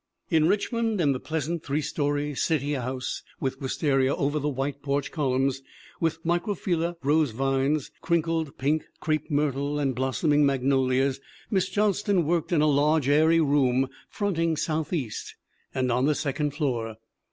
In Richmond, in the pleasant three story "city" house with wistaria over the white porch columns, with microphylla rose vines, crinkled pink crape myrtle, and blossoming magnolias, Miss Johnston worked in a large, airy room fronting southeast and on the second floor.